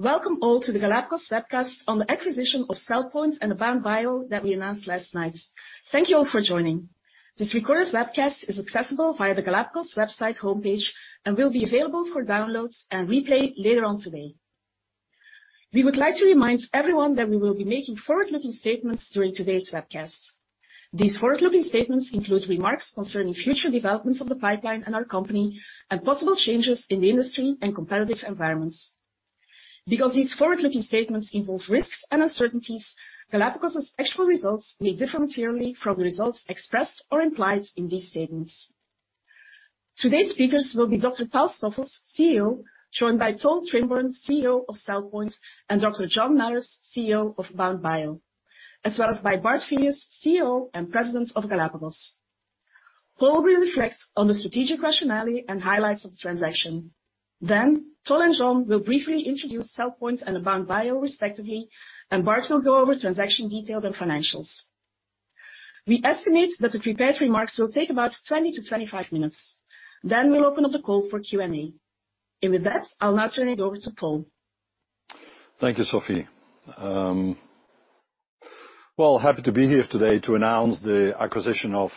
Welcome all to the Galapagos webcast on the acquisition of CellPoint and Abound Bio that we announced last night. Thank you all for joining. This recorded webcast is accessible via the Galapagos website homepage, and will be available for download and replay later on today. We would like to remind everyone that we will be making forward-looking statements during today's webcast. These forward-looking statements include remarks concerning future developments of the pipeline in our company and possible changes in the industry and competitive environments. Because these forward-looking statements involve risks and uncertainties, Galapagos' actual results may differ materially from the results expressed or implied in these statements. Today's speakers will be Dr. Paul Stoffels, CEO, joined by Tol Trimborn, CEO of CellPoint, and Dr. John Mellors, CEO of Abound Bio, as well as by Bart Filius, CEO and President of Galapagos. Paul will reflect on the strategic rationale and highlights of the transaction. Tol and John will briefly introduce CellPoint and Abound Bio respectively, and Bart will go over transaction details and financials. We estimate that the prepared remarks will take about 20-25 minutes. We'll open up the call for Q&A. With that, I'll now turn it over to Paul. Thank you, Sophie. Well, happy to be here today to announce the acquisition of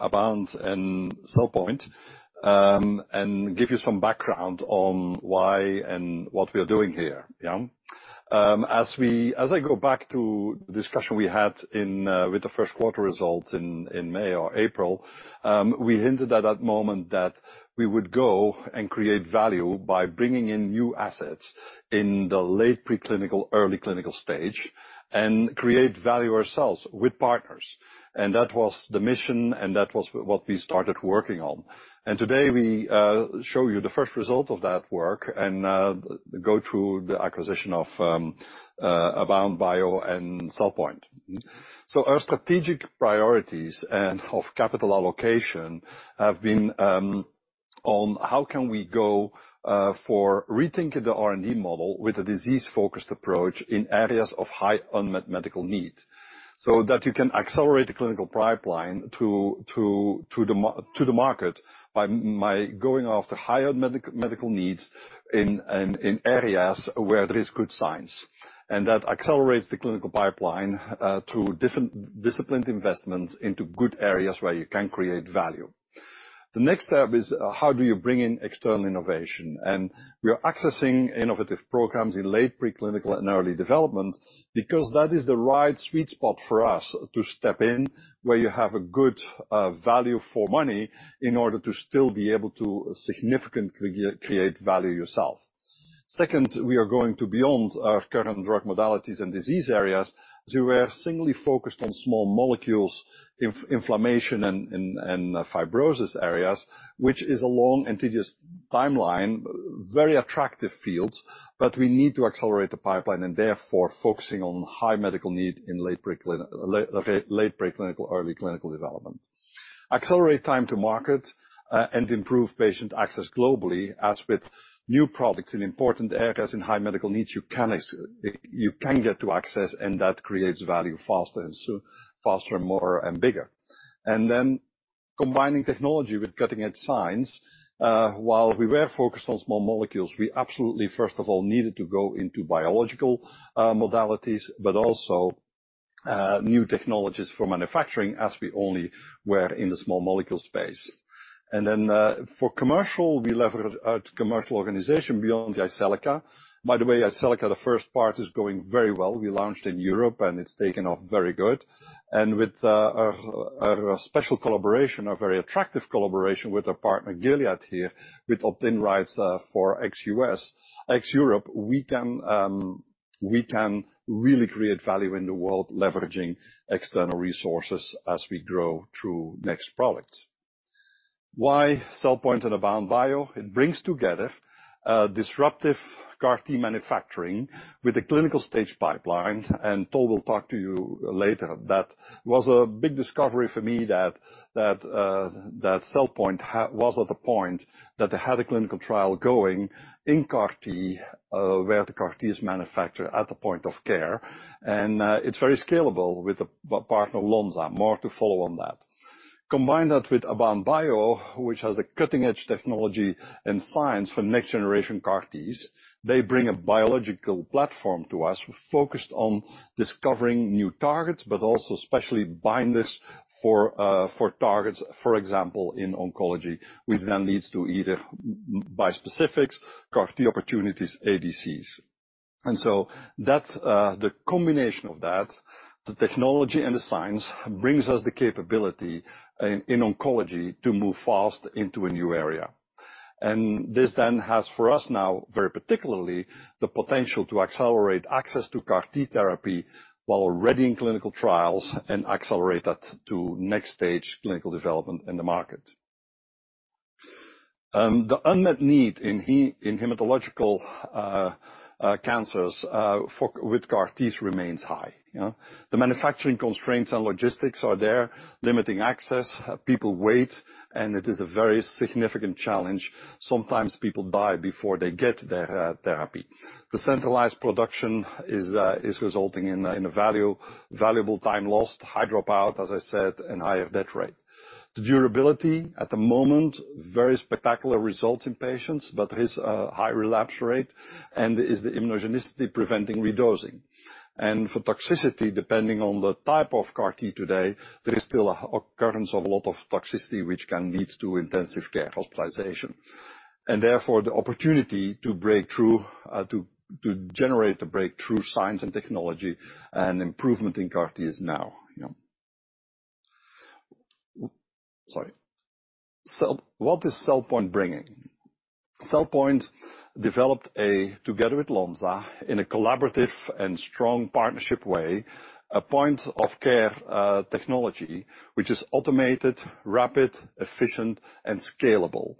Abound Bio and CellPoint, and give you some background on why and what we are doing here. Yeah. As I go back to the discussion we had in with the first quarter results in May or April, we hinted at that moment that we would go and create value by bringing in new assets in the late preclinical, early clinical stage, and create value ourselves with partners. That was the mission, and that was what we started working on. Today we show you the first result of that work and go through the acquisition of Abound Bio and CellPoint. Our strategic priorities and of capital allocation have been on how can we go for rethinking the R&D model with a disease-focused approach in areas of high unmet medical need, so that you can accelerate the clinical pipeline to the market by going after higher medical needs in areas where there is good science. That accelerates the clinical pipeline through different disciplined investments into good areas where you can create value. The next step is how do you bring in external innovation. We are accessing innovative programs in late preclinical and early development because that is the right sweet spot for us to step in, where you have a good value for money in order to still be able to significantly create value yourself. Second, we are going to beyond our current drug modalities and disease areas, as we were singly focused on small molecules, in inflammation and fibrosis areas, which is a long and tedious timeline. Very attractive fields, but we need to accelerate the pipeline and therefore focusing on high medical need in late preclinical, early clinical development. Accelerate time to market, and improve patient access globally, as with new products in important areas in high medical needs, you can get to access and that creates value faster and so faster and more and bigger. Combining technology with cutting-edge science, while we were focused on small molecules. We absolutely, first of all, needed to go into biological, modalities, but also, new technologies for manufacturing as we only were in the small molecule space. For commercial, we levered our commercial organization beyond Jyseleca. By the way, Jyseleca, the first part is going very well. We launched in Europe, and it's taken off very good. With a special collaboration, a very attractive collaboration with our partner Gilead here, with opt-in rights for ex-U.S., ex-Europe, we can really create value in the world leveraging external resources as we grow through next products. Why CellPoint and Abound Bio? It brings together disruptive CAR-T manufacturing with a clinical stage pipeline. Tol will talk to you later. That was a big discovery for me that CellPoint was at the point that they had a clinical trial going in CAR-T, where the CAR-T is manufactured at the point of care. It's very scalable with a partner, Lonza. More to follow on that. Combine that with Abound Bio, which has a cutting-edge technology and science for next generation CAR-Ts. They bring a biological platform to us focused on discovering new targets, but also specially bind this for targets, for example, in oncology, which then leads to either bispecifics, CAR-T opportunities, ADCs. That's the combination of that, the technology and the science brings us the capability in oncology to move fast into a new area. This then has for us now, very particularly, the potential to accelerate access to CAR-T therapy while already in clinical trials and accelerate that to next stage clinical development in the market. The unmet need in hematological cancers with CAR-Ts remains high. You know? The manufacturing constraints and logistics are there, limiting access. People wait, and it is a very significant challenge. Sometimes people die before they get their therapy. The centralized production is resulting in a valuable time lost, high dropout, as I said, and higher death rate. The durability at the moment very spectacular results in patients, but has a high relapse rate and is the immunogenicity preventing redosing. For toxicity, depending on the type of CAR-T today, there is still an occurrence of a lot of toxicity which can lead to intensive care hospitalization. Therefore, the opportunity to break through to generate a breakthrough science and technology and improvement in CAR-T is now, you know. Sorry. What is CellPoint bringing? CellPoint developed together with Lonza, in a collaborative and strong partnership way, a point of care technology which is automated, rapid, efficient, and scalable.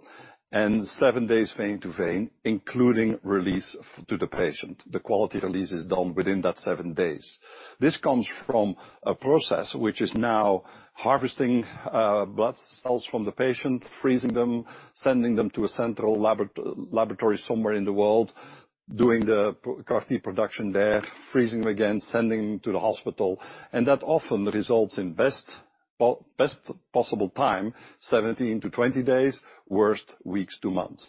Seven-days vein-to-vein, including release to the patient. The quality release is done within that seven days. This comes from a process which is now harvesting blood cells from the patient, freezing them, sending them to a central laboratory somewhere in the world, doing the CAR-T production there, freezing them again, sending to the hospital. That often results in best possible time, 17-20 days. Worst, weeks to months.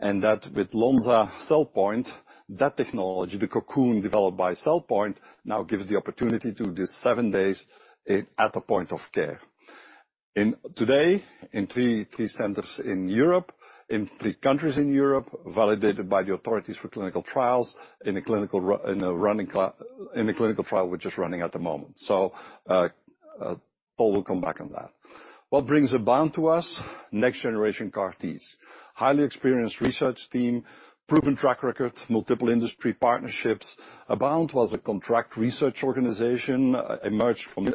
That with Lonza CellPoint, that technology, the Cocoon developed by CellPoint, now gives the opportunity to do seven days at the point of care. In today, in three centers in Europe, in three countries in Europe, validated by the authorities for clinical trials, in a clinical trial we're just running at the moment. Tol will come back on that. What brings Abound to us? Next generation CAR-Ts. Highly experienced research team, proven track record, multiple industry partnerships. Abound was a contract research organization, emerged from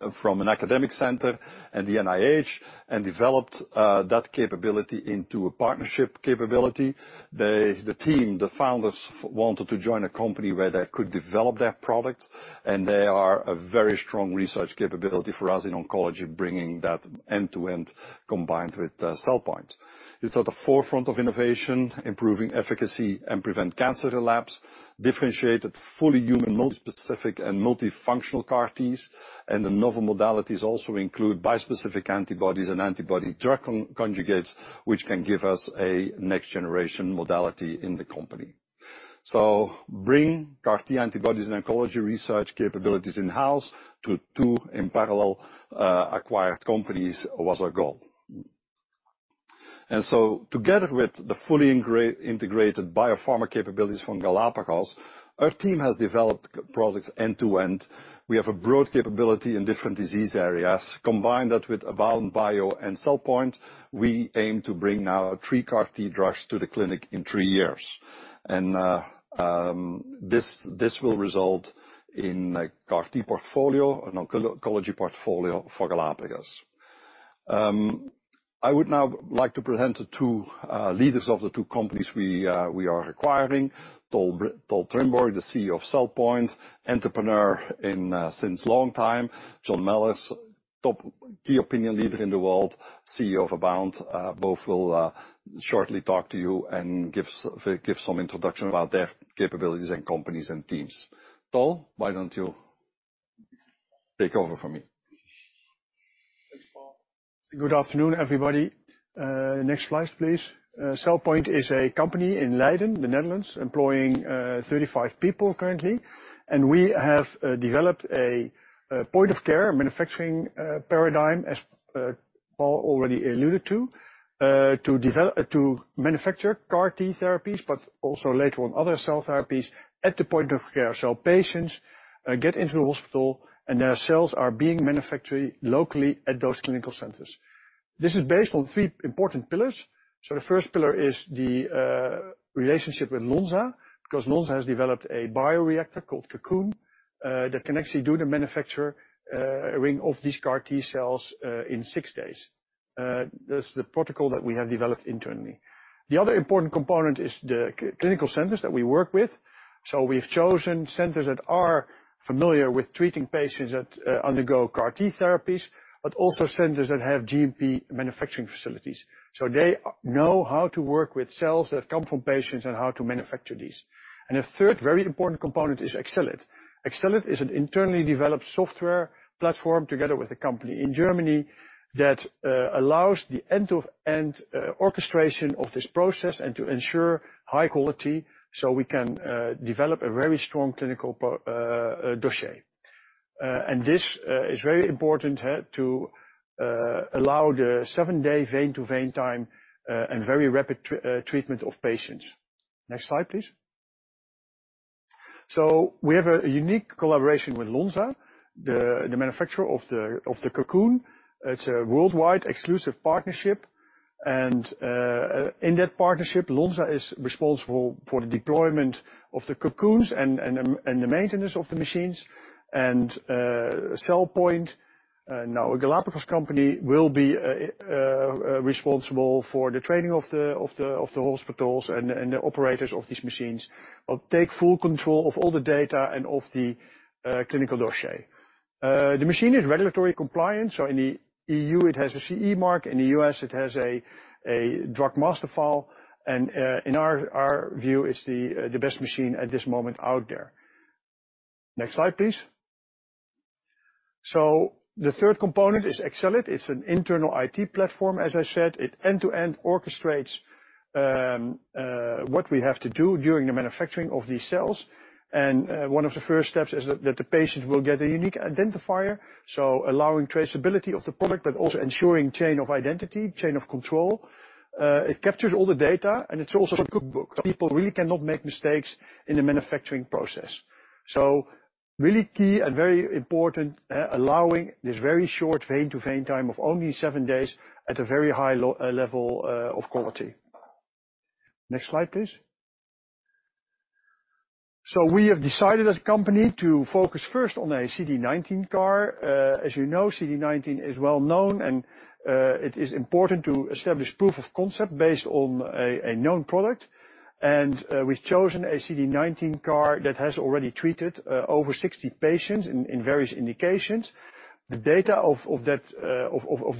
an academic center and the NIH, and developed that capability into a partnership capability. They, the team, the founders wanted to join a company where they could develop their product, and they are a very strong research capability for us in oncology, bringing that end-to-end, combined with CellPoint. It's at the forefront of innovation, improving efficacy, and prevent cancer relapse. Differentiated, fully human, multi-specific and multifunctional CAR-Ts, and the novel modalities also include bispecific antibodies and antibody drug conjugates, which can give us a next generation modality in the company. Bring CAR-T antibodies and oncology research capabilities in-house to two in parallel acquired companies was our goal. Together with the fully integrated biopharma capabilities from Galapagos, our team has developed products end-to-end. We have a broad capability in different disease areas. Combine that with Abound Bio and CellPoint, we aim to bring now three CAR-T drugs to the clinic in three years. This will result in a CAR-T portfolio, an oncology portfolio for Galapagos. I would now like to present the two leaders of the two companies we are acquiring. Tol Trimborn, the CEO of CellPoint, entrepreneur in since long time. John Mellors, top key opinion leader in the world, CEO of Abound. Both will shortly talk to you and give some introduction about their capabilities and companies and teams. Tol, why don't you take over from me? Good afternoon, everybody. Next slide, please. CellPoint is a company in Leiden, the Netherlands, employing 35 people currently. We have developed a point of care manufacturing paradigm, as Paul already alluded to manufacture CAR-T therapies, but also later on other cell therapies at the point of care. Patients get into the hospital and their cells are being manufactured locally at those clinical centers. This is based on three important pillars. The first pillar is the relationship with Lonza, because Lonza has developed a bioreactor called Cocoon that can actually do the manufacturing of these CAR-T cells in six days. That's the protocol that we have developed internally. The other important component is the clinical centers that we work with. We've chosen centers that are familiar with treating patients that undergo CAR-T therapies, but also centers that have GMP manufacturing facilities. They know how to work with cells that come from patients and how to manufacture these. A third very important component is Axalyt. Axalyt is an internally developed software platform together with a company in Germany that allows the end-to-end orchestration of this process and to ensure high quality so we can develop a very strong clinical dossier. This is very important to allow the seven-day vein-to-vein time and very rapid treatment of patients. Next slide, please. We have a unique collaboration with Lonza, the manufacturer of the Cocoon. It's a worldwide exclusive partnership. In that partnership, Lonza is responsible for the deployment of the Cocoons and the maintenance of the machines. CellPoint, now a Galapagos company, will be responsible for the training of the hospitals and the operators of these machines, will take full control of all the data and of the clinical dossier. The machine is regulatory compliant, so in the EU it has a CE mark, in the U.S. it has a Drug Master File, and in our view, it's the best machine at this moment out there. Next slide, please. The third component is Axalyt. It's an internal IT platform, as I said. It end-to-end orchestrates what we have to do during the manufacturing of these cells. One of the first steps is that the patient will get a unique identifier, so allowing traceability of the product but also ensuring chain of identity, chain of control. It captures all the data, and it's also a cookbook. People really cannot make mistakes in the manufacturing process. Really key and very important, allowing this very short vein-to-vein time of only seven days at a very high level of quality. Next slide, please. We have decided as a company to focus first on a CD19 CAR. As you know, CD19 is well-known, and it is important to establish proof of concept based on a known product. We've chosen a CD19 CAR that has already treated over 60 patients in various indications. The data of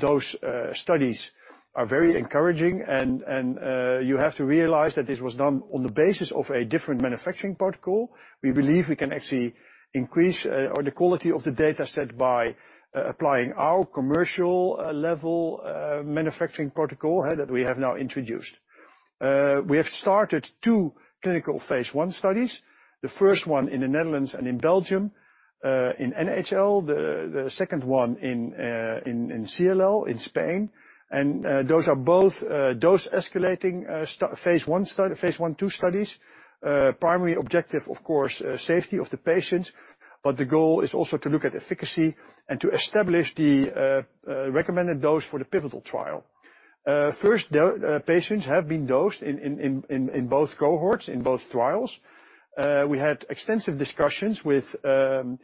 those studies are very encouraging. You have to realize that this was done on the basis of a different manufacturing protocol. We believe we can actually increase the quality of the dataset by applying our commercial level manufacturing protocol that we have now introduced. We have started two clinical phase I studies. The first one in the Netherlands and in Belgium in NHL. The second one in CLL in Spain. Those are both dose escalating phase I, II studies. Primary objective, of course, safety of the patients, but the goal is also to look at efficacy and to establish the recommended dose for the pivotal trial. Patients have been dosed in both cohorts, in both trials. We had extensive discussions with the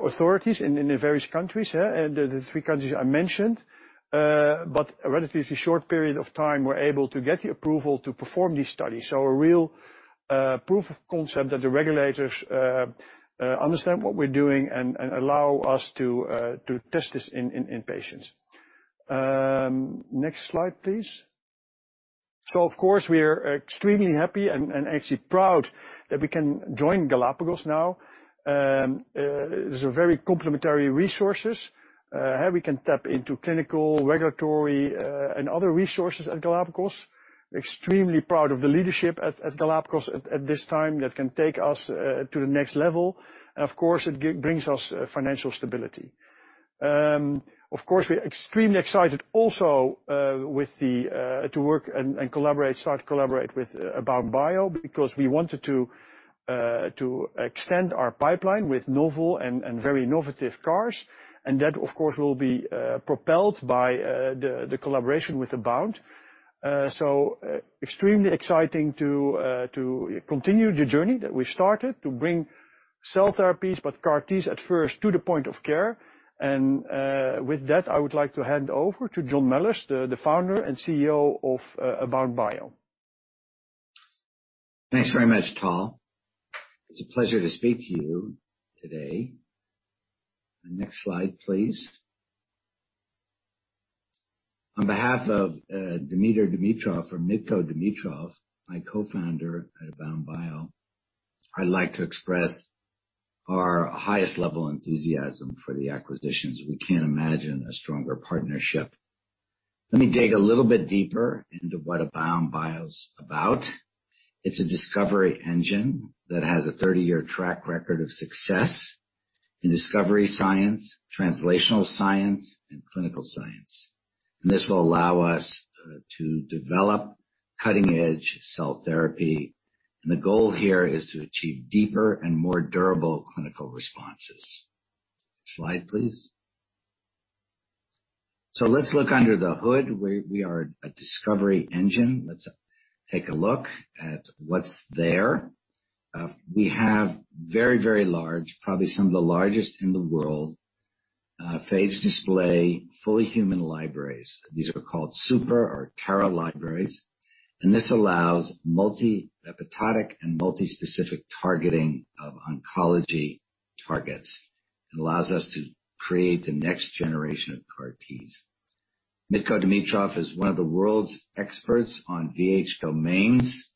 authorities in the various countries, yeah, and the three countries I mentioned. A relatively short period of time, we're able to get the approval to perform this study. A real proof of concept that the regulators understand what we're doing and allow us to test this in patients. Next slide, please. Of course, we are extremely happy and actually proud that we can join Galapagos now. There's a very complementary resources. How we can tap into clinical, regulatory, and other resources at Galapagos. Extremely proud of the leadership at Galapagos at this time that can take us to the next level. Of course, it brings us financial stability. Of course, we're extremely excited also to start to collaborate with Abound Bio because we wanted to extend our pipeline with novel and very innovative CARs. That, of course, will be propelled by the collaboration with Abound. Extremely exciting to continue the journey that we started to bring cell therapies, but CAR Ts at first to the point of care. With that, I would like to hand over to John Mellors, the founder and CEO of Abound Bio. Thanks very much, Tol. It's a pleasure to speak to you today. Next slide, please. On behalf of Dimiter Dimitrov, my co-founder at Abound Bio, I'd like to express our highest level enthusiasm for the acquisitions. We can't imagine a stronger partnership. Let me dig a little bit deeper into what Abound Bio's about. It's a discovery engine that has a 30-year track record of success in discovery science, translational science, and clinical science. This will allow us to develop cutting-edge cell therapy. The goal here is to achieve deeper and more durable clinical responses. Slide, please. So let's look under the hood. We are a discovery engine. Let's take a look at what's there. We have very, very large, probably some of the largest in the world, phage display fully human libraries. These are called super or tera libraries, and this allows multiepitopic and multispecific targeting of oncology targets. It allows us to create the next generation of CAR Ts. Dimiter Dimitrov is one of the world's experts on VH domains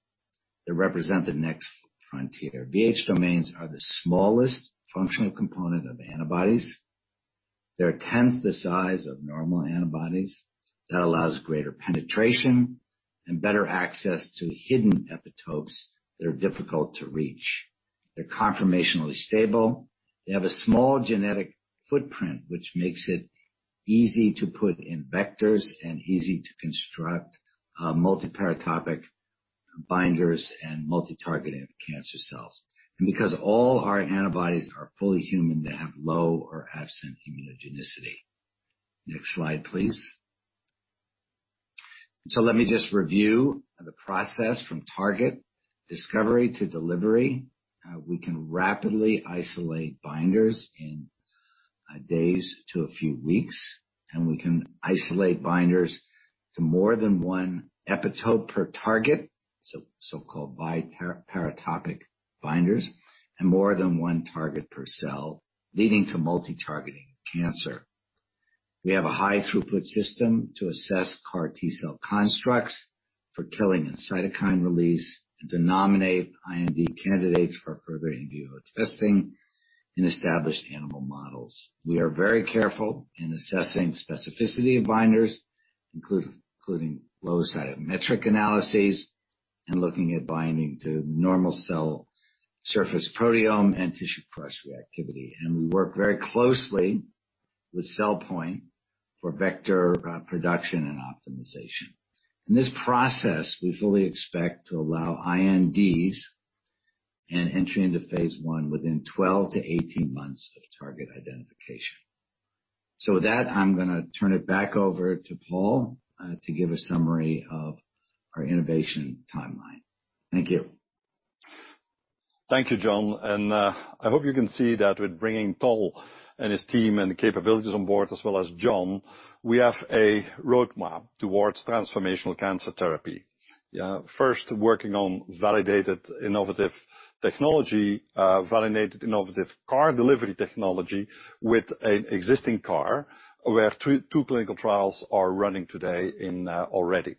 that represent the next frontier. VH domains are the smallest functional component of antibodies. They're a tenth the size of normal antibodies. That allows greater penetration and better access to hidden epitopes that are difficult to reach. They're conformationally stable. They have a small genetic footprint, which makes it easy to put in vectors and easy to construct multiparatopic binders and multi-targeting of cancer cells. And because all our antibodies are fully human, they have low or absent immunogenicity. Next slide, please. Let me just review the process from target discovery to delivery. We can rapidly isolate binders in days to a few weeks, and we can isolate binders to more than one epitope per target, so-called biparatopic binders, and more than one target per cell, leading to multi-targeting cancer. We have a high throughput system to assess CAR-T cell constructs for killing and cytokine release to nominate IND candidates for further in vivo testing in established animal models. We are very careful in assessing specificity of binders, including flow cytometric analyses and looking at binding to normal cell surface proteome and tissue cross-reactivity. We work very closely with CellPoint for vector production and optimization. In this process, we fully expect to allow INDs and entry into phase I within 12-18 months of target identification. With that, I'm gonna turn it back over to Paul to give a summary of our innovation timeline. Thank you. Thank you, John. I hope you can see that with bringing Tol and his team and capabilities on board as well as John, we have a roadmap towards transformational cancer therapy. First working on validated innovative technology, validated innovative CAR delivery technology with an existing CAR, where two clinical trials are running today already.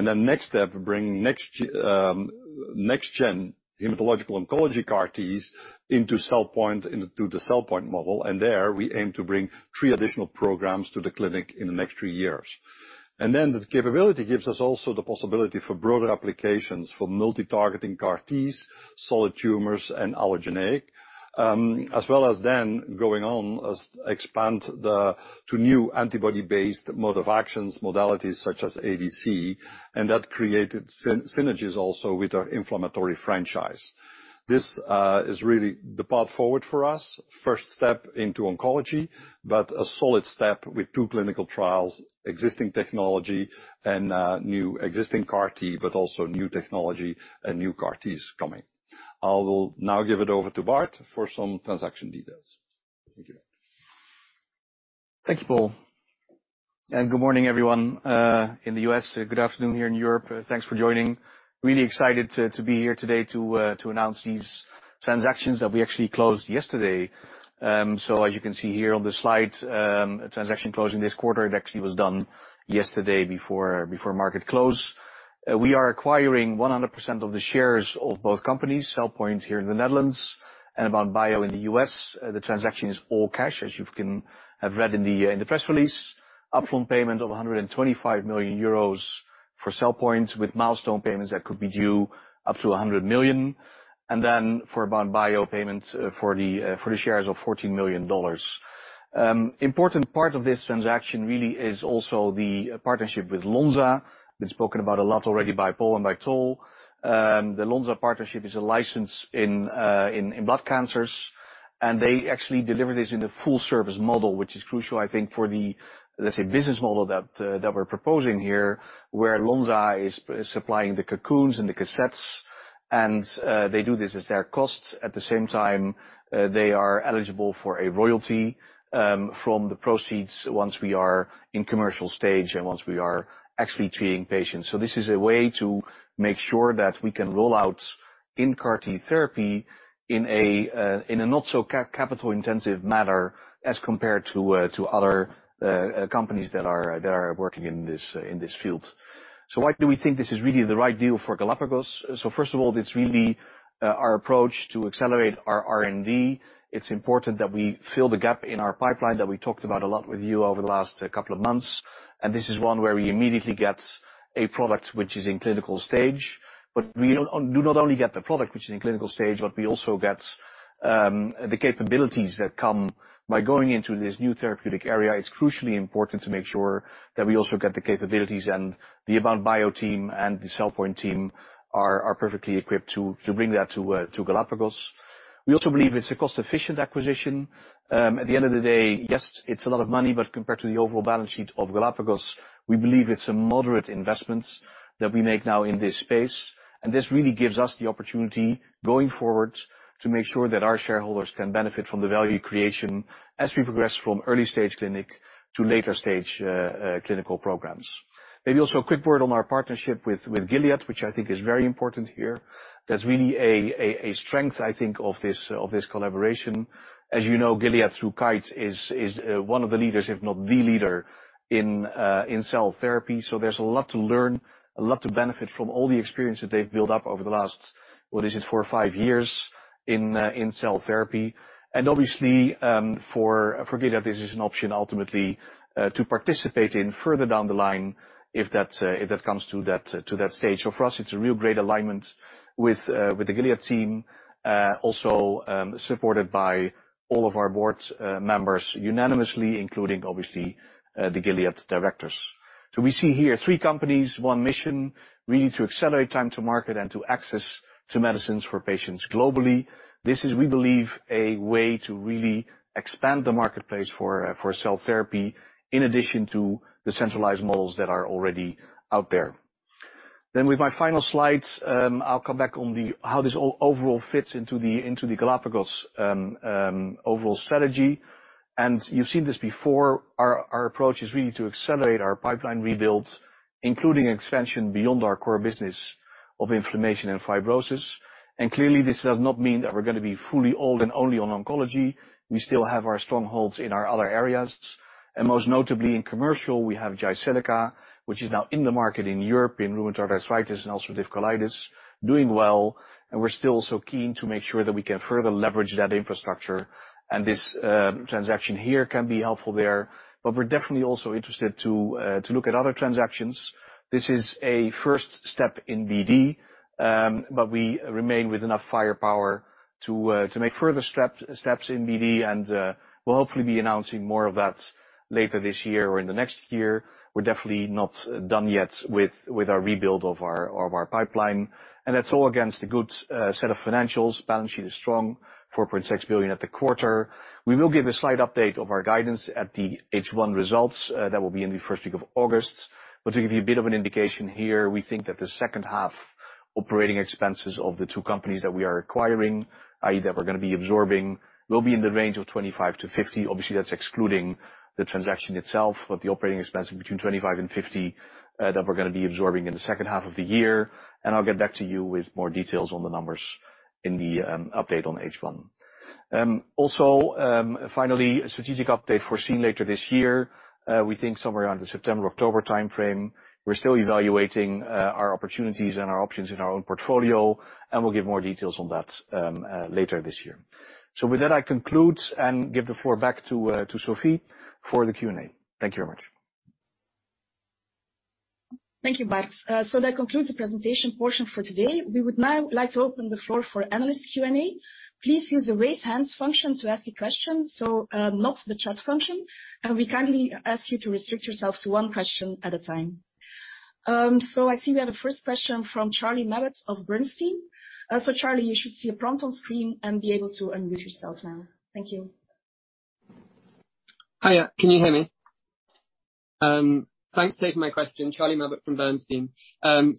Next step, bring next gen hematological oncology CAR-Ts into CellPoint, into the CellPoint model, and there we aim to bring three additional programs to the clinic in the next three years. The capability gives us also the possibility for broader applications for multi-targeting CAR-Ts, solid tumors, and allogeneic, as well as then going on to new antibody-based mode of actions, modalities such as ADC, and that created synergies also with our inflammatory franchise. This is really the path forward for us. First step into oncology, but a solid step with two clinical trials, existing technology and existing CAR-T, but also new technology and new CAR-Ts coming. I will now give it over to Bart for some transaction details. Thank you. Thank you, Paul. Good morning, everyone, in the U.S. Good afternoon here in Europe. Thanks for joining. Really excited to be here today to announce these transactions that we actually closed yesterday. As you can see here on the slide, a transaction closing this quarter, it actually was done yesterday before market close. We are acquiring 100% of the shares of both companies, CellPoint here in the Netherlands and Abound Bio in the U.S. The transaction is all cash, as you may have read in the press release. Upfront payment of 125 million euros for CellPoint with milestone payments that could be due up to 100 million. For Abound Bio, payment for the shares of $14 million. Important part of this transaction really is also the partnership with Lonza. Been spoken about a lot already by Paul and by Tol. The Lonza partnership is a license in blood cancers, and they actually deliver this in the full service model, which is crucial, I think, for the, let's say, business model that we're proposing here, where Lonza is supplying the cocoons and the cassettes, and they do this as their costs. At the same time, they are eligible for a royalty from the proceeds once we are in commercial stage and once we are actually treating patients. This is a way to make sure that we can roll out in CAR-T therapy in a not so capital intensive manner as compared to other companies that are working in this field. Why do we think this is really the right deal for Galapagos? First of all, it's really our approach to accelerate our R&D. It's important that we fill the gap in our pipeline that we talked about a lot with you over the last couple of months, and this is one where we immediately get a product which is in clinical stage. We do not only get the product which is in clinical stage, but we also get the capabilities that come by going into this new therapeutic area. It's crucially important to make sure that we also get the capabilities, and the Abound Bio team and the CellPoint team are perfectly equipped to bring that to Galapagos. We also believe it's a cost-efficient acquisition. At the end of the day, yes, it's a lot of money, but compared to the overall balance sheet of Galapagos, we believe it's a moderate investment that we make now in this space. This really gives us the opportunity, going forward, to make sure that our shareholders can benefit from the value creation as we progress from early stage clinic to later stage clinical programs. Maybe also a quick word on our partnership with Gilead, which I think is very important here. That's really a strength, I think, of this collaboration. As you know, Gilead through Kite is one of the leaders, if not the leader in cell therapy. There's a lot to learn, a lot to benefit from all the experience that they've built up over the last, what is it, four or five years in cell therapy. Obviously, for Gilead, this is an option ultimately to participate in further down the line if that comes to that stage. For us, it's a real great alignment with the Gilead team, also supported by all of our board members unanimously, including obviously, the Gilead directors. We see here three companies, one mission, really to accelerate time to market and to access to medicines for patients globally. This is, we believe, a way to really expand the marketplace for cell therapy in addition to the centralized models that are already out there. With my final slides, I'll come back on how this overall fits into the Galapagos overall strategy. You've seen this before. Our approach is really to accelerate our pipeline rebuild, including expansion beyond our core business of inflammation and fibrosis. Clearly, this does not mean that we're gonna be fully all and only on oncology. We still have our strongholds in our other areas. Most notably in commercial, we have Jyseleca, which is now in the market in Europe, in rheumatoid arthritis and ulcerative colitis, doing well. We're still so keen to make sure that we can further leverage that infrastructure. This transaction here can be helpful there. We're definitely also interested to look at other transactions. This is a first step in BD, but we remain with enough firepower to make further steps in BD, and we'll hopefully be announcing more of that later this year or in the next year. We're definitely not done yet with our rebuild of our pipeline. That's all against a good set of financials. Balance sheet is strong, 4.6 billion at the quarter. We will give a slight update of our guidance at the H1 results. That will be in the first week of August. To give you a bit of an indication here, we think that the second half operating expenses of the two companies that we are acquiring, i.e., that we're gonna be absorbing, will be in the range of 25 million-50 million. Obviously, that's excluding the transaction itself, but the operating expense between 25 million and 50 million that we're gonna be absorbing in the second half of the year. I'll get back to you with more details on the numbers in the update on H1. Also, finally, a strategic update we're seeing later this year, we think somewhere around the September-October timeframe. We're still evaluating our opportunities and our options in our own portfolio, and we'll give more details on that later this year. With that, I conclude and give the floor back to Sophie for the Q&A. Thank you very much. Thank you, Bart. That concludes the presentation portion for today. We would now like to open the floor for analyst Q&A. Please use the raise hand function to ask a question, so, not the chat function. We kindly ask you to restrict yourself to one question at a time. I see we have a first question from Charlie Mabbutt of Bernstein. Charlie, you should see a prompt on screen and be able to unmute yourself now. Thank you. Hi, can you hear me? Thanks for taking my question. Charlie Mabbett from Bernstein.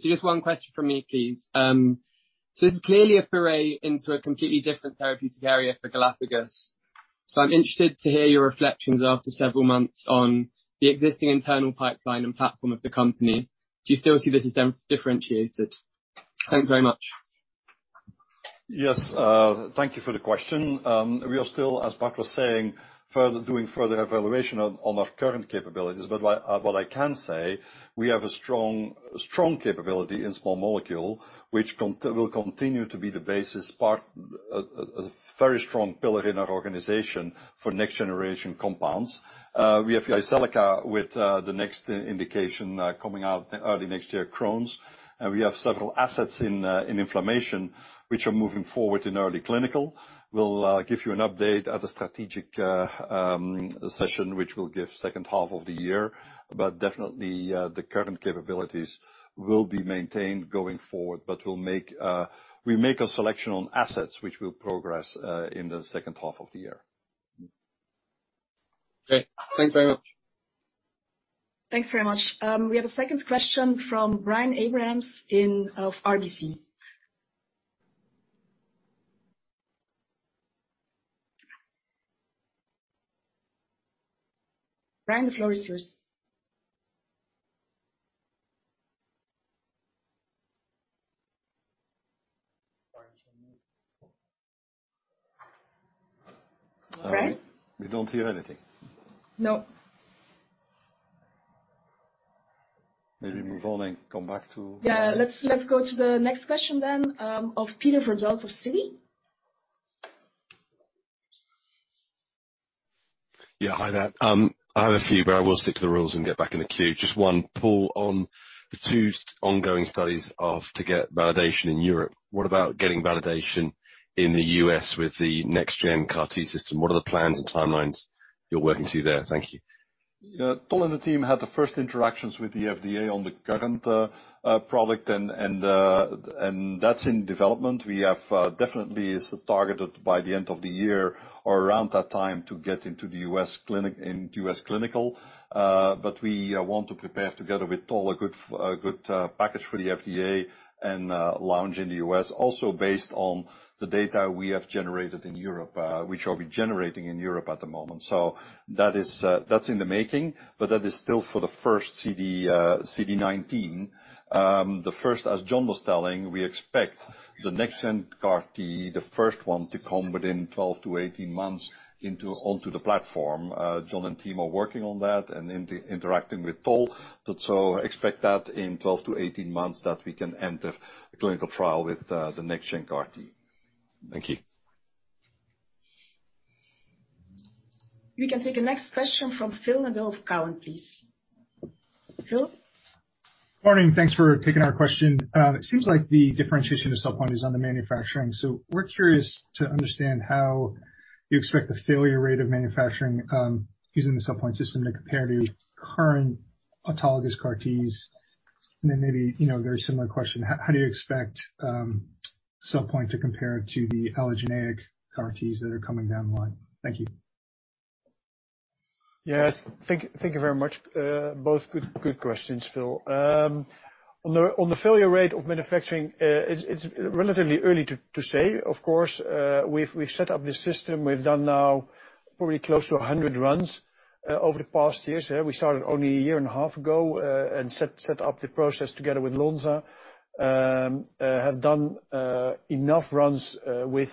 Just one question from me, please. This is clearly a foray into a completely different therapeutic area for Galapagos. I'm interested to hear your reflections after several months on the existing internal pipeline and platform of the company. Do you still see this as differentiated? Thanks very much. Yes. Thank you for the question. We are still, as Bart was saying, further evaluation on our current capabilities. I can say we have a strong capability in small molecule, which will continue to be the basis part, a very strong pillar in our organization for next generation compounds. We have Jyseleca with the next indication coming out early next year, Crohn's. We have several assets in inflammation, which are moving forward in early clinical. We'll give you an update at a strategic session which we'll give second half of the year. Definitely, the current capabilities will be maintained going forward. We'll make a selection on assets which will progress in the second half of the year. Okay. Thanks very much. Thanks very much. We have a second question from Brian Abrahams of RBC. Brian, the floor is yours. Brian? We don't hear anything. No. Maybe move on and come back to- Yeah. Let's go to the next question then, of Peter Verdult of Citi. Yeah. Hi, there. I have a few, but I will stick to the rules and get back in the queue. Just one. Paul, on the two ongoing studies to get validation in Europe, what about getting validation in the U.S. with the next gen CAR-T system? What are the plans and timelines you're working to there? Thank you. Yeah. Paul and the team had the first interactions with the FDA on the current product and that's in development. We have definitely is targeted by the end of the year or around that time to get into the U.S. clinic, in U.S. clinical. We want to prepare together with Paul a good package for the FDA and launch in the U.S. also based on the data we have generated in Europe, which I'll be generating in Europe at the moment. That's in the making, but that is still for the first CD19. The first, as John was telling, we expect the next-gen CAR-T, the first one to come within 12-18 months onto the platform. John and team are working on that and interacting with Paul. Expect that in 12-18 months that we can enter a clinical trial with the next gen CAR-T. Thank you. We can take a next question from Phil Nadeau of TD Cowen, please. Phil? Morning. Thanks for taking our question. It seems like the differentiation of CellPoint is on the manufacturing. We're curious to understand how you expect the failure rate of manufacturing using the CellPoint system to compare to current autologous CAR-Ts. Maybe, you know, very similar question, how do you expect CellPoint to compare to the allogeneic CAR-Ts that are coming down the line? Thank you. Yes. Thank you very much. Both good questions, Phil. On the failure rate of manufacturing, it's relatively early to say. Of course, we've set up this system. We've done now probably close to 100 runs over the past year. We started only a year and a half ago and set up the process together with Lonza. Have done enough runs with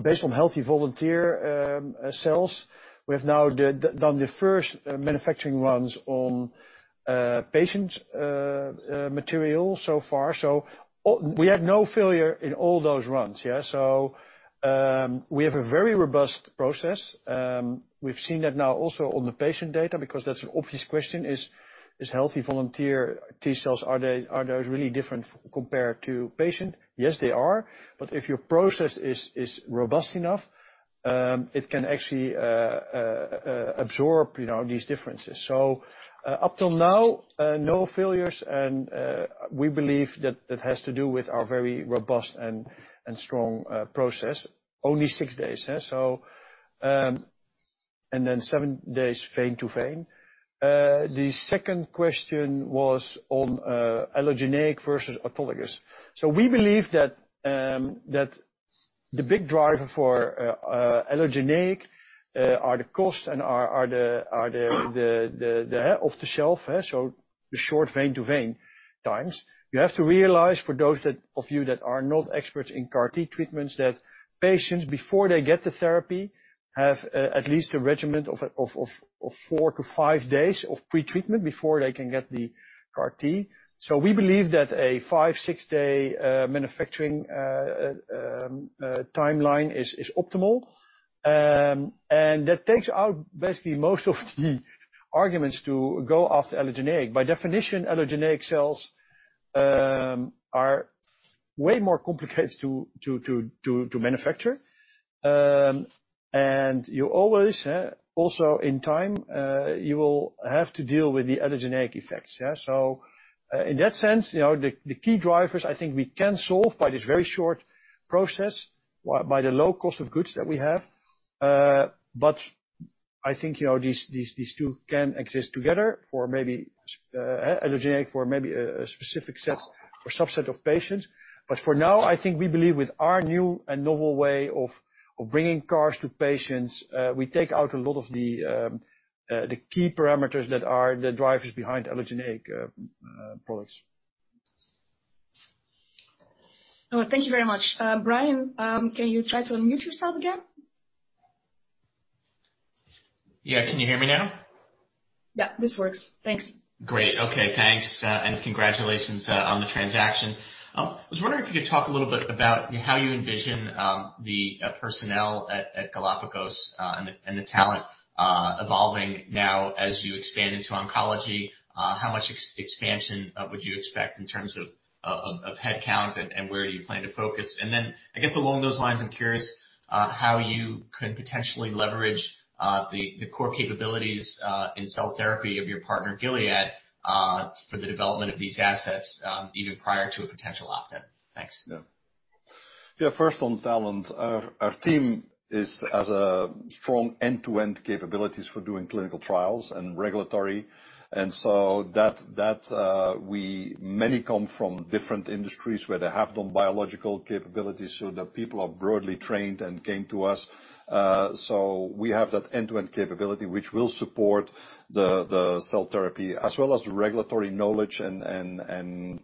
based on healthy volunteer cells. We have now done the first manufacturing runs on patient material so far. We had no failure in all those runs. We have a very robust process. We've seen that now also on the patient data, because that's an obvious question: is healthy volunteer T cells really different compared to patient? Yes, they are. But if your process is robust enough, it can actually absorb, you know, these differences. Up till now, no failures, and we believe that that has to do with our very robust and strong process. Only six days. Then seven-days vein-to-vein. The second question was on allogeneic versus autologous. We believe that the big driver for allogeneic are the cost and the off the shelf. The short vein-to-vein times. You have to realize, for those of you that are not experts in CAR-T treatments, that patients, before they get the therapy, have at least a regimen of four, five days of pre-treatment before they can get the CAR-T. We believe that a five, six day manufacturing timeline is optimal. That takes out basically most of the arguments to go after allogeneic. By definition, allogeneic cells are way more complicated to manufacture. You always also in time will have to deal with the allogeneic effects. Yeah, in that sense, you know, the key drivers I think we can solve by this very short process, by the low cost of goods that we have. I think, you know, these two can exist together for maybe allogeneic for maybe a specific set or subset of patients. For now, I think we believe with our new and novel way of bringing CAR-T s to patients, we take out a lot of the key parameters that are the drivers behind allogeneic products. Oh, thank you very much. Brian, can you try to unmute yourself again? Yeah. Can you hear me now? Yeah, this works. Thanks. Great. Okay, thanks. Congratulations on the transaction. I was wondering if you could talk a little bit about how you envision the personnel at Galapagos and the talent evolving now as you expand into oncology. How much expansion would you expect in terms of headcount and where do you plan to focus? I guess along those lines, I'm curious how you can potentially leverage the core capabilities in cell therapy of your partner, Gilead, for the development of these assets, even prior to a potential opt-in. Thanks. Yeah. First on talent. Our team has a strong end-to-end capabilities for doing clinical trials and regulatory. Many come from different industries where they have done biological capabilities, so the people are broadly trained and came to us. So we have that end-to-end capability, which will support the cell therapy as well as the regulatory knowledge and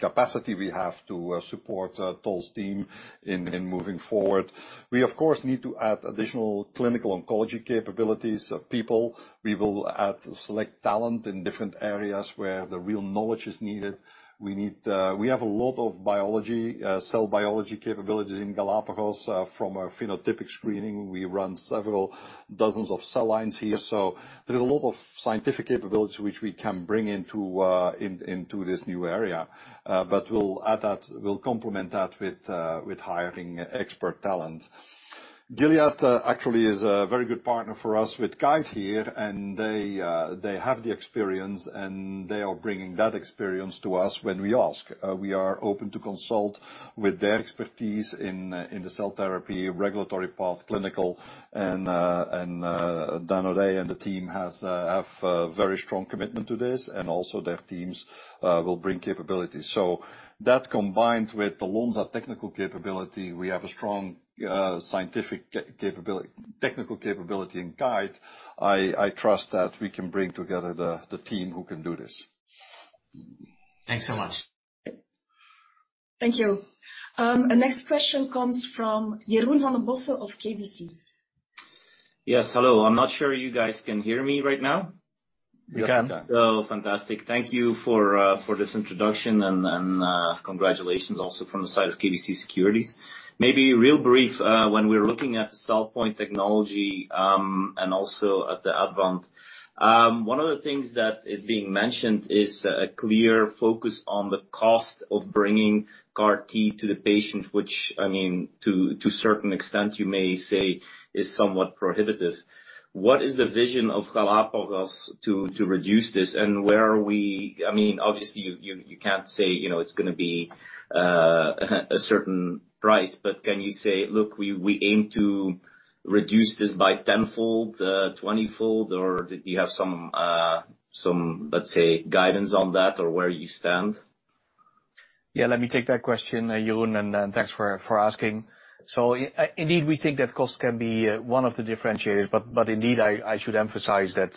capacity we have to support Tol's team in moving forward. We, of course, need to add additional clinical oncology capabilities of people. We will add select talent in different areas where the real knowledge is needed. We need. We have a lot of biology, cell biology capabilities in Galapagos, from our phenotypic screening. We run several dozens of cell lines here. There's a lot of scientific capabilities which we can bring into this new area. We'll add that. We'll complement that with hiring expert talent. Gilead actually is a very good partner for us with Kite here, and they have the experience, and they are bringing that experience to us when we ask. We are open to consult with their expertise in the cell therapy regulatory path, clinical and Daniel O'Day and the team have a very strong commitment to this, and also their teams will bring capabilities. That combined with the Lonza technical capability, we have a strong scientific capability, technical capability in Kite. I trust that we can bring together the team who can do this. Thanks so much. Thank you. Our next question comes from Jeroen Van den Bossche of KBC. Yes. Hello. I'm not sure you guys can hear me right now. We can. Oh, fantastic. Thank you for this introduction and congratulations also from the side of KBC Securities. Maybe real brief, when we're looking at the CellPoint technology and also at the Abound. One of the things that is being mentioned is a clear focus on the cost of bringing CAR-T to the patient, which, I mean, to a certain extent you may say is somewhat prohibitive. What is the vision of Galapagos to reduce this and where are we? I mean, obviously, you can't say, you know, it's gonna be a certain price, but can you say, "Look, we aim to reduce this by tenfold, twentyfold," or do you have some, let's say, guidance on that or where you stand? Yeah, let me take that question, Jeroen, and thanks for asking. Indeed, we think that cost can be one of the differentiators, but indeed I should emphasize that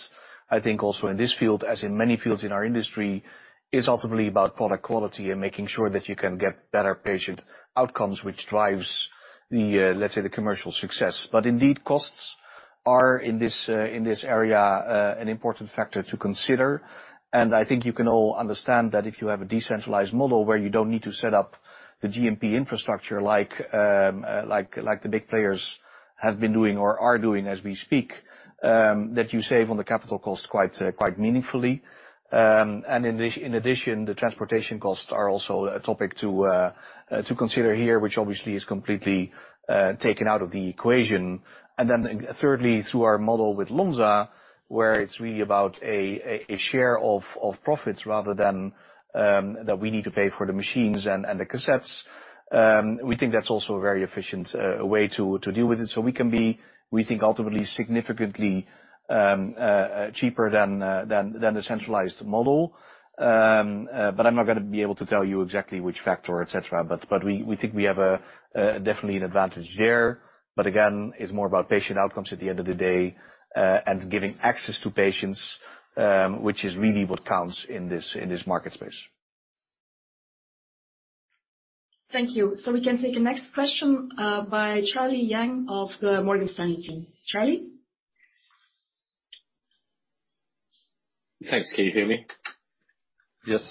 I think also in this field, as in many fields in our industry, is ultimately about product quality and making sure that you can get better patient outcomes, which drives the, let's say, the commercial success. Indeed, costs are in this area an important factor to consider. I think you can all understand that if you have a decentralized model where you don't need to set up the GMP infrastructure like the big players have been doing or are doing as we speak, that you save on the capital costs quite meaningfully. In addition, the transportation costs are also a topic to consider here, which obviously is completely taken out of the equation. Thirdly, through our model with Lonza, where it's really about a share of profits rather than that we need to pay for the machines and the cassettes, we think that's also a very efficient way to deal with it. We can be, we think, ultimately significantly cheaper than the centralized model. I'm not gonna be able to tell you exactly which factor, et cetera. We think we definitely have an advantage there. Again, it's more about patient outcomes at the end of the day, and giving access to patients, which is really what counts in this market space. Thank you. We can take a next question by Charlie Yang of the Morgan Stanley team. Charlie? Thanks. Can you hear me? Yes.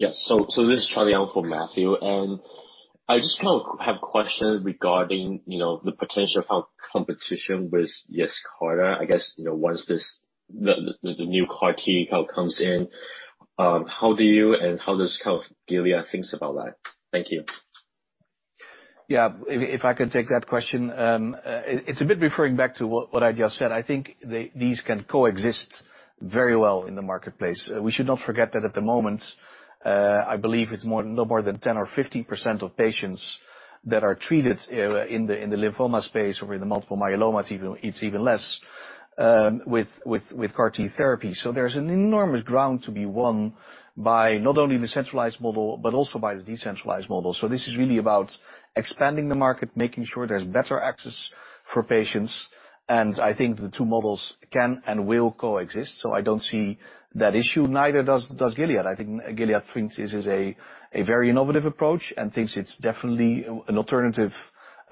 This is Charlie Yang for Matthew, and I just kind of have questions regarding, you know, the potential of how competition with Yescarta, I guess, you know, once the new CAR-T count comes in, how do you and how does kind of Gilead thinks about that? Thank you. Yeah, if I can take that question. It's a bit referring back to what I just said. I think these can coexist very well in the marketplace. We should not forget that at the moment, I believe it's no more than 10%-15% of patients that are treated in the lymphoma space or in the multiple myeloma; it's even less with CAR-T therapy. There's an enormous ground to be won by not only the centralized model, but also by the decentralized model. This is really about expanding the market, making sure there's better access for patients. I think the two models can and will coexist. I don't see that issue. Neither does Gilead. I think Gilead thinks this is a very innovative approach and thinks it's definitely an alternative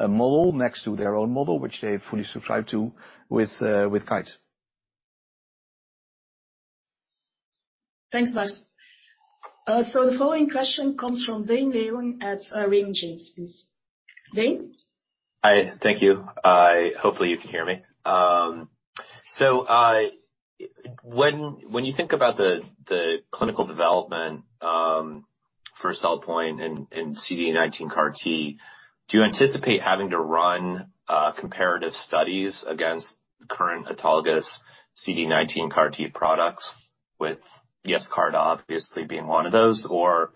model next to their own model, which they fully subscribe to with Kite. Thanks, Bart. The following question comes from Daniel at Paradigm. Daniel? Hi. Thank you. Hopefully you can hear me. When you think about the clinical development for CellPoint and CD19 CAR-T, do you anticipate having to run comparative studies against current autologous CD19 CAR- T products with Yescarta obviously being one of those? Or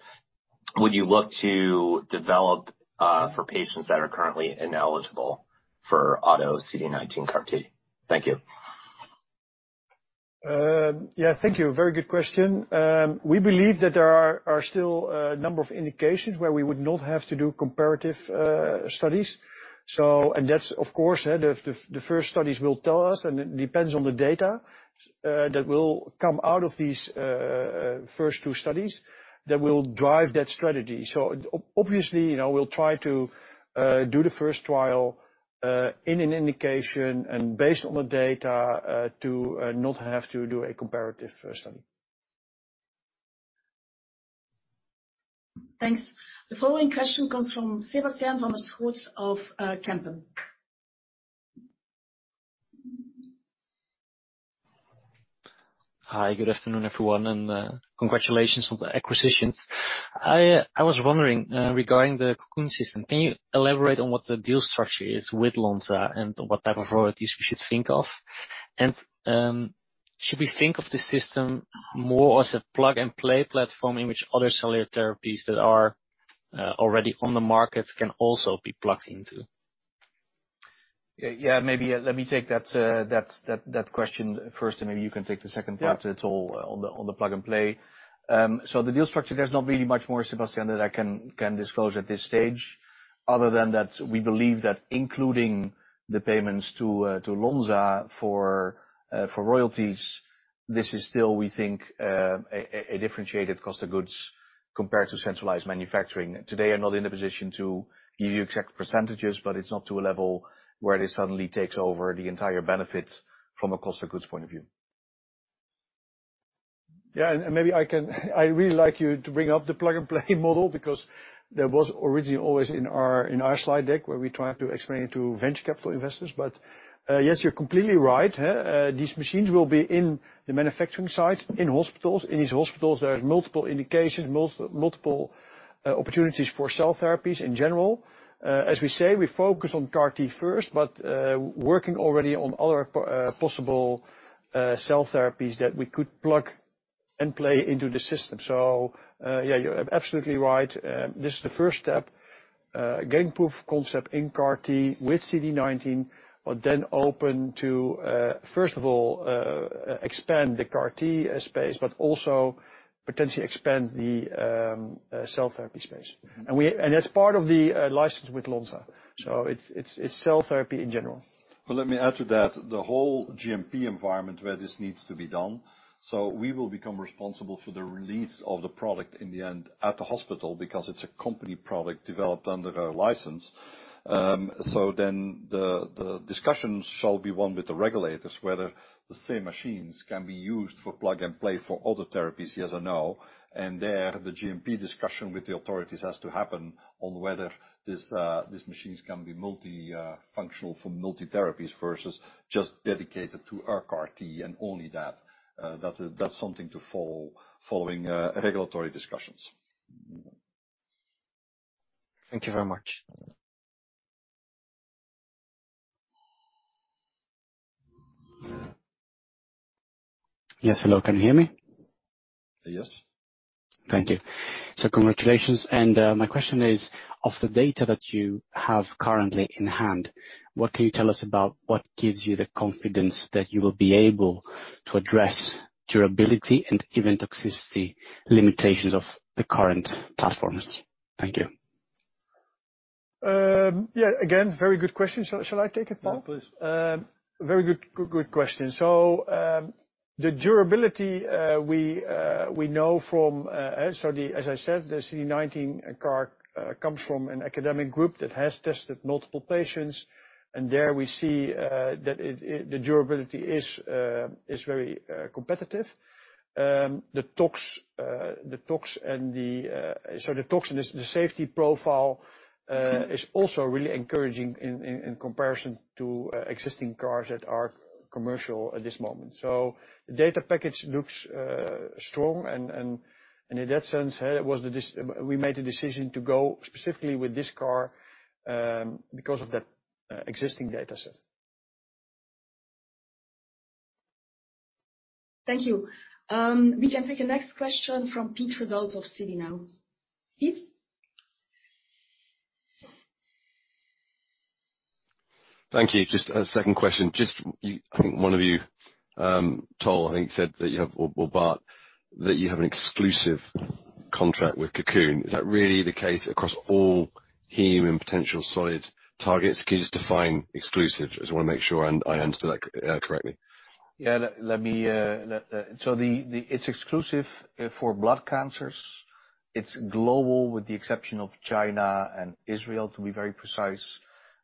would you look to develop for patients that are currently ineligible for auto CD19 CAR- T? Thank you. Yeah, thank you. Very good question. We believe that there are still a number of indications where we would not have to do comparative studies. That's, of course, the first studies will tell us, and it depends on the data that will come out of these first two studies that will drive that strategy. Obviously, you know, we'll try to do the first trial in an indication and based on the data to not have to do a comparative study. Thanks. The following question comes from Sebastiaan van der Schoot of Kempen. Hi, good afternoon, everyone, and congratulations on the acquisitions. I was wondering, regarding the Cocoon Platform, can you elaborate on what the deal structure is with Lonza and what type of royalties we should think of? Should we think of the system more as a plug-and-play platform in which other cellular therapies that are already on the market can also be plugged into? Yeah. Maybe let me take that question first, and maybe you can take the second part at all on the plug and play. The deal structure, there's not really much more, Sebastiaan, that I can disclose at this stage, other than that we believe that including the payments to Lonza for royalties, this is still, we think, a differentiated cost of goods compared to centralized manufacturing. Today, I'm not in a position to give you exact percentages, but it's not to a level where it suddenly takes over the entire benefit from a cost of goods point of view. Yeah, maybe I can. I really like you to bring up the plug-and-play model because that was originally always in our slide deck where we try to explain it to venture capital investors. Yes, you're completely right. These machines will be in the manufacturing site, in hospitals. In these hospitals, there's multiple indications, multiple opportunities for cell therapies in general. As we say, we focus on CAR-T first, but working already on other possible cell therapies that we could plug and play into the system. Yeah, you're absolutely right. This is the first step, getting proof of concept in CAR-T with CD19, but then open to, first of all, expand the CAR-T space, but also potentially expand the cell therapy space. That's part of the license with Lonza. It's cell therapy in general. Let me add to that, the whole GMP environment where this needs to be done. We will become responsible for the release of the product in the end at the hospital because it's a company product developed under a license. The discussion shall be one with the regulators, whether the same machines can be used for plug and play for other therapies, yes or no. There, the GMP discussion with the authorities has to happen on whether these machines can be multi-functional for multi-therapies versus just dedicated to our CAR-T and only that. That's something to follow regulatory discussions. Thank you very much. Yes. Hello. Can you hear me? Yes. Thank you. Congratulations. My question is, of the data that you have currently in hand, what can you tell us about what gives you the confidence that you will be able to address durability and even toxicity limitations of the current platforms? Thank you. Yeah, again, very good question. Shall I take it, Paul? Yeah, please. Very good question. The durability we know from. As I said, the CD19 CAR-T comes from an academic group that has tested multiple patients. There we see that the durability is very competitive. The tox and the safety profile is also really encouraging in comparison to existing CAR-Ts that are commercial at this moment. The data package looks strong and in that sense, we made a decision to go specifically with this CAR-T because of that existing data set. Thank you. We can take a next question from Peter Verdult of Citi now. Peter? Thank you. Just a second question. Just you, I think one of you, Tol, I think, said that you have, or Bart, that you have an exclusive contract with Cocoon. Is that really the case across all heme and potential solid targets? Can you just define exclusive? Just wanna make sure I understood that correctly. It's exclusive for blood cancers. It's global with the exception of China and Israel, to be very precise,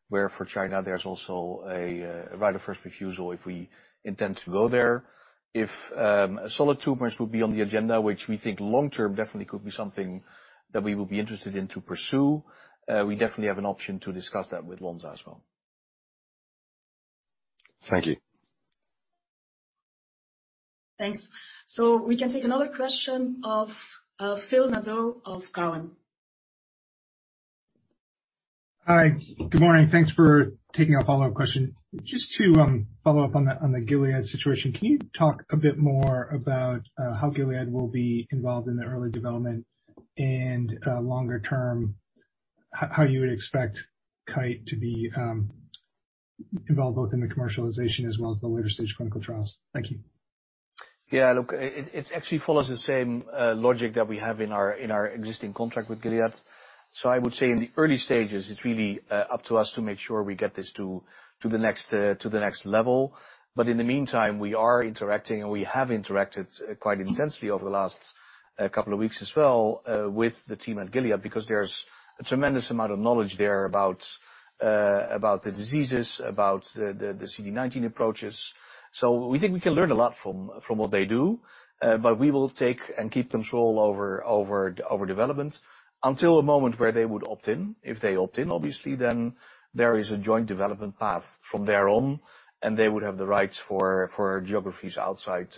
where for China there's also a right of first refusal if we intend to go there. If solid tumors would be on the agenda, which we think long term definitely could be something that we will be interested in to pursue, we definitely have an option to discuss that with Lonza as well. Thank you. Thanks. We can take another question of Phil Nadeau of TD Cowen. Hi. Good morning. Thanks for taking a follow-up question. Just to follow up on the Gilead situation, can you talk a bit more about how Gilead will be involved in the early development and longer term, how you would expect Kite to be involved both in the commercialization as well as the later stage clinical trials? Thank you. Yeah. Look, it actually follows the same logic that we have in our existing contract with Gilead. I would say in the early stages, it's really up to us to make sure we get this to the next level. In the meantime, we are interacting and we have interacted quite intensely over the last couple of weeks as well with the team at Gilead, because there's a tremendous amount of knowledge there about the diseases, about the CD19 approaches. We think we can learn a lot from what they do, but we will take and keep control over development until a moment where they would opt in. If they opt in, obviously, then there is a joint development path from there on, and they would have the rights for geographies outside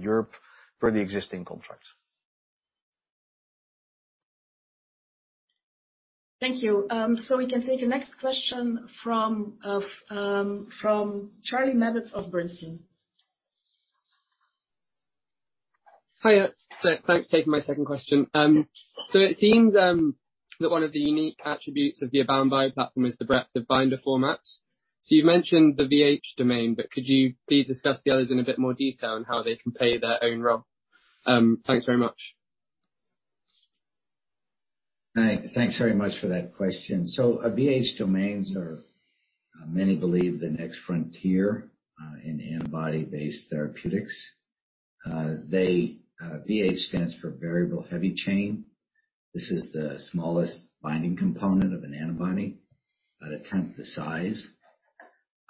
Europe per the existing contract. Thank you. We can take the next question from Charlie Mabbett of Bernstein. Hiya. Thanks for taking my second question. It seems that one of the unique attributes of the Abound Bio platform is the breadth of binder formats. You've mentioned the VH domain, but could you please discuss the others in a bit more detail and how they can play their own role? Thanks very much. Thanks very much for that question. VH domains are many believe the next frontier in antibody-based therapeutics. VH stands for variable heavy chain. This is the smallest binding component of an antibody at a tenth the size.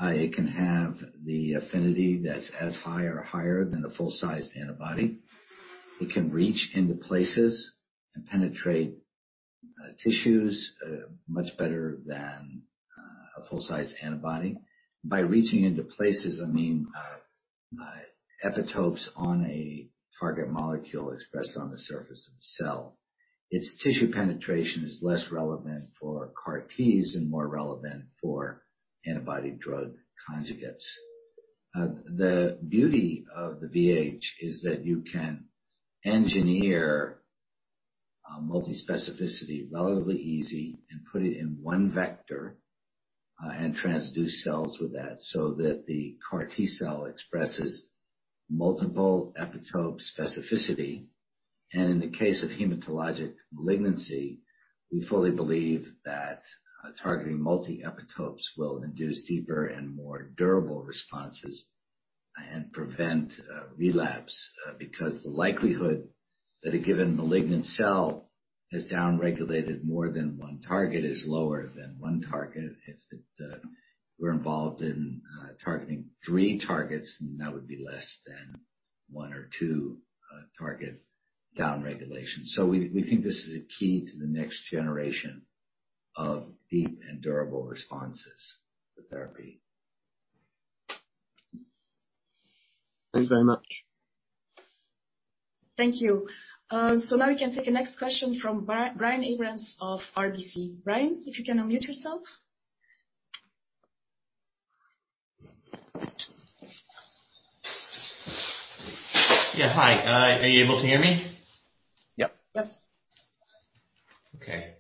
It can have the affinity that's as high or higher than a full-sized antibody. It can reach into places and penetrate tissues much better than a full-sized antibody. By reaching into places, I mean epitopes on a target molecule expressed on the surface of a cell. It's tissue penetration is less relevant for CAR-Ts and more relevant for antibody drug conjugates. The beauty of the VH is that you can engineer multi-specificity relatively easy and put it in one vector and transduce cells with that so that the CAR-T cell expresses multiple epitope specificity. In the case of hematologic malignancy, we fully believe that targeting multi-epitopes will induce deeper and more durable responses and prevent relapse. Because the likelihood that a given malignant cell has downregulated more than one target is lower than one target. If it were involved in targeting three targets, then that would be less than one or two target downregulation. We think this is a key to the next generation of deep and durable responses to therapy. Thanks very much. Thank you. Now we can take a next question from Brian Abrahams of RBC. Brian, if you can unmute yourself. Yeah. Hi. Are you able to hear me? Yep. Yes. Okay.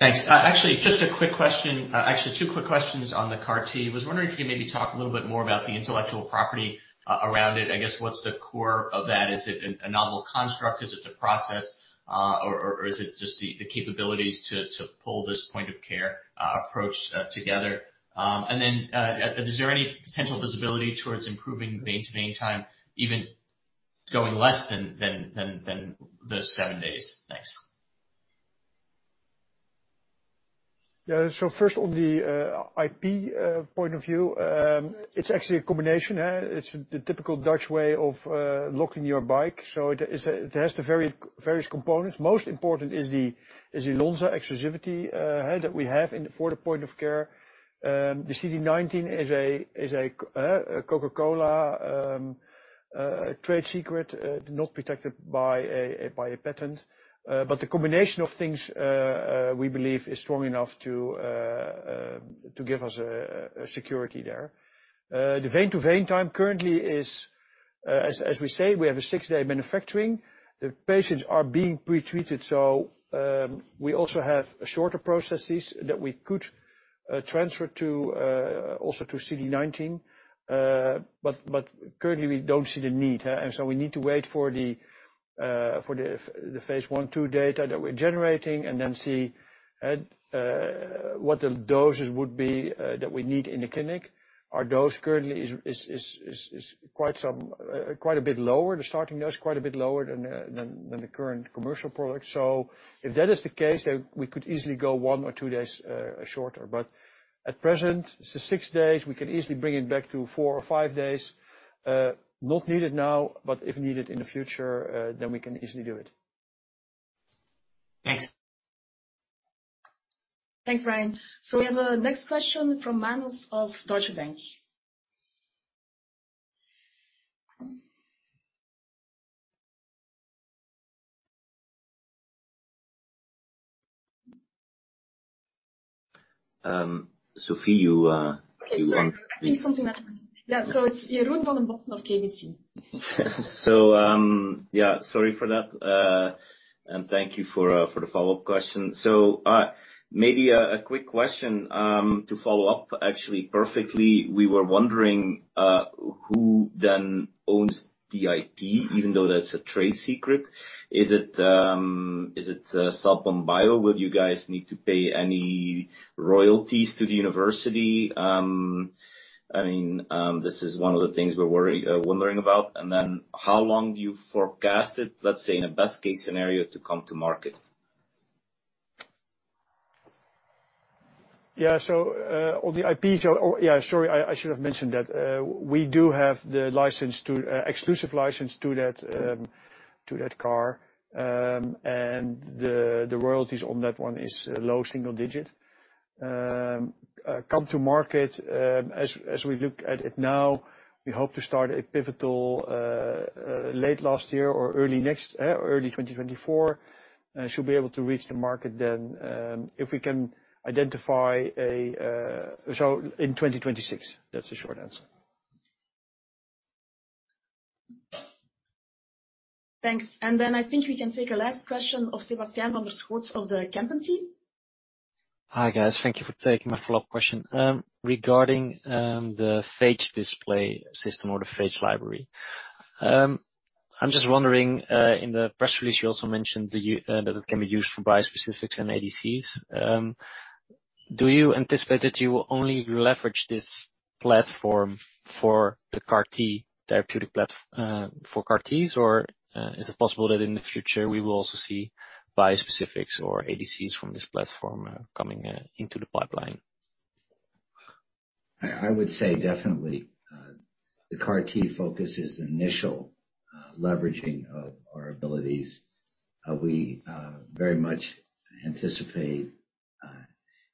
Thanks. Actually, just a quick question. Actually two quick questions on the CAR-T. Was wondering if you could maybe talk a little bit more about the intellectual property around it. I guess, what's the core of that? Is it a novel construct? Is it the process? Or is it just the capabilities to pull this point of care approach together? Then, is there any potential visibility towards improving vein to vein time, even going less than the seven days? Thanks. First on the IP point of view, it's actually a combination, it's the typical Dutch way of locking your bike. It has various components. Most important is the Lonza exclusivity that we have for the point of care. The CD19 is a Coca-Cola trade secret, not protected by a patent. But the combination of things we believe is strong enough to give us a security there. The vein-to-vein time currently is, as we say, we have a six-day manufacturing. The patients are being pre-treated, so we also have shorter processes that we could transfer to CD19. Currently we don't see the need. We need to wait for the phase I-2 data that we're generating and then see what the doses would be that we need in the clinic. Our dose currently is quite a bit lower. The starting dose is quite a bit lower than the current commercial product. If that is the case, then we could easily go one or two days shorter. At present, it's six days. We can easily bring it back to four or five days. Not needed now, but if needed in the future, then we can easily do it. Thanks. Thanks, Brian. We have our next question from Manos Mastorakis of Deutsche Bank. Sophie, you want- I think something happened. Yeah. It's Jeroen Van den Bossche of KBC. Yeah, sorry for that. Thank you for the follow-up question. Maybe a quick question to follow up actually perfectly. We were wondering who then owns the IP even though that's a trade secret. Is it Abound Bio? Would you guys need to pay any royalties to the university? I mean, this is one of the things we're wondering about. Then how long do you forecast it, let's say in a best case scenario, to come to market? Yeah. On the IP. Or yeah, sorry, I should have mentioned that. We do have exclusive license to that CAR. And the royalties on that one is low single digit. Time to come to market, as we look at it now, we hope to start a pivotal early 2024, should be able to reach the market then, if we can identify a. In 2026. That's the short answer. Thanks. I think we can take a last question of Sebastiaan van der Schoot of Van Lanschot Kempen. Hi, guys. Thank you for taking my follow-up question. Regarding the phage display system or the phage library. I'm just wondering, in the press release, you also mentioned that it can be used for bispecifics and ADCs. Do you anticipate that you will only leverage this platform for CAR-Ts? Or, is it possible that in the future we will also see bispecifics or ADCs from this platform coming into the pipeline? I would say definitely, the CAR-T focus is the initial leveraging of our abilities. We very much anticipate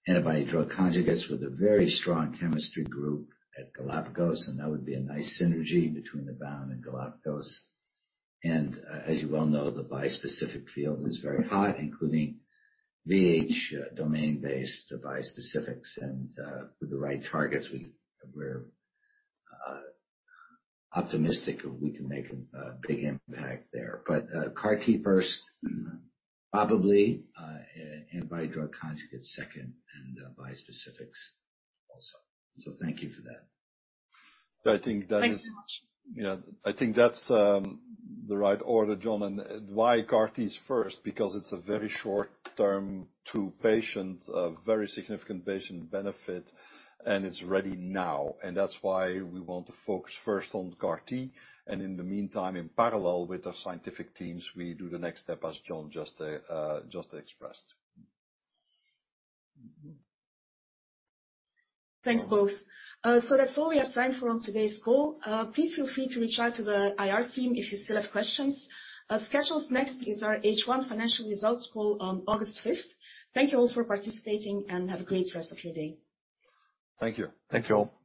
antibody drug conjugates with a very strong chemistry group at Galapagos, and that would be a nice synergy between Abound and Galapagos. As you well know, the bispecific field is very hot, including VH domain-based bispecifics and, with the right targets, we're optimistic we can make a big impact there. CAR-T first, probably, antibody drug conjugates second, and bispecifics also. Thank you for that. I think that is. Thanks so much. Yeah. I think that's the right order, John. Why CAR-T is first, because it's a very short time to patient, a very significant patient benefit, and it's ready now. That's why we want to focus first on CAR-T, and in the meantime, in parallel with our scientific teams, we do the next step as John just expressed. Thanks, both. That's all we have time for on today's call. Please feel free to reach out to the IR team if you still have questions. Scheduled next is our H1 financial results call on August 5th. Thank you all for participating, and have a great rest of your day. Thank you. Thank you all.